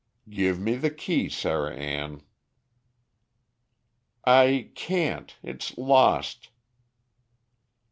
"Give me the key, Sarah Ann." "I can't. It's lost."